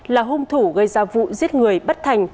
là hung thủ gây ra vụ giết người bất thành